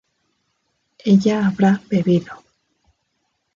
ella habrá bebido